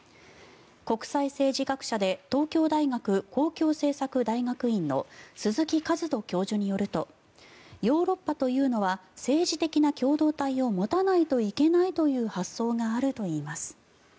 国際政治学者で東京大学公共政策大学院の鈴木一人教授によるとヨーロッパというのは政治的な共同体を持たないといけないという発想があるといいます。